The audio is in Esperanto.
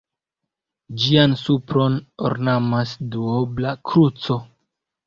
Ĝian supron ornamas duobla kruco.